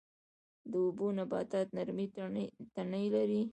د اوبو نباتات نرمې تنې لري